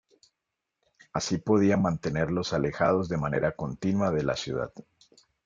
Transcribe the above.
Así podía mantenerlos alejados de manera continua de la ciudad.